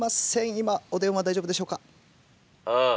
今お電話大丈夫でしょうか？